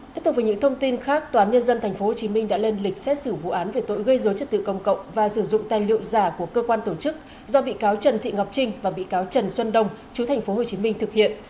tiếp tục với những thông tin khác tòa án nhân dân tp hồ chí minh đã lên lịch xét xử vụ án về tội gây dối chất tử công cộng và sử dụng tài liệu giả của cơ quan tổ chức do bị cáo trần thị ngọc trinh và bị cáo trần xuân đông chú tp hồ chí minh thực hiện